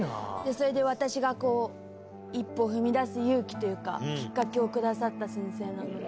それで私がこう、一歩踏み出す勇気というか、きっかけをくださった先生なので。